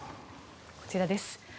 こちらです。